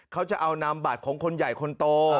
เขาจะเอานำบัตรของคนใหญ่คนโต